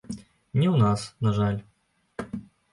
Не ў нас, на жаль.